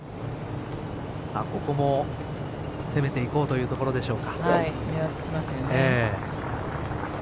ここも攻めていこうというところでしょうか。